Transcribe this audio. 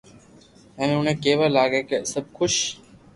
ھين اوني ڪيوا لاگيا ڪي سب خوݾ ھي